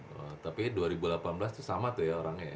wah tapi dua ribu delapan belas tuh sama tuh ya orangnya ya